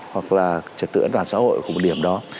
hoặc là trật tựa đoàn xã hội của một điểm đó